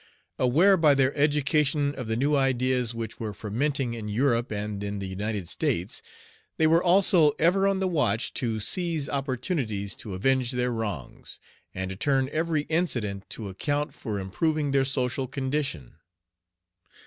Aware by their education of the new ideas which were fermenting in Europe and in the United States, they were also ever on the watch to seize opportunities to avenge their wrongs, and to turn every incident to account for improving their social condition.